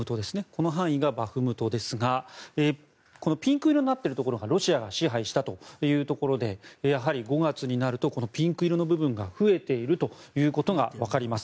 この範囲がバフムトですがこのピンク色になっているところがロシアが支配したというところでやはり５月になるとピンク色の部分が増えているということがわかります。